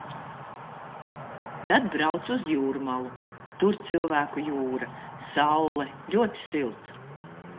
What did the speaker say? Tad braucu uz Jūrmalu. Tur cilvēku jūra. Saule, ļoti silts.